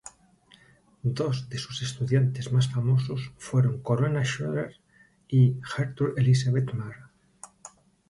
Dos de sus estudiantes más famosos fueron Corona Schröter y Gertrud Elisabeth Mara.